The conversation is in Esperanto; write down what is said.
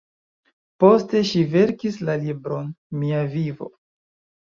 Poste ŝi verkis la libron ""Mia vivo"".